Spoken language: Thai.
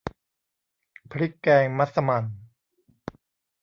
พริกแกงมัสมั่น